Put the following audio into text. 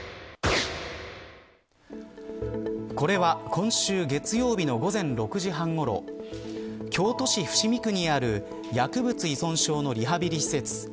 これは今週月曜日の午前６時半ごろ京都市伏見区にある薬物依存症のリハビリ施設